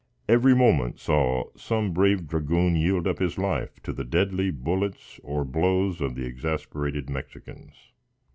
Every moment saw some brave dragoon yield up his life to the deadly bullets or blows of the exasperated Mexicans.